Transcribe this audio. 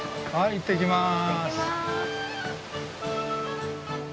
行ってきます。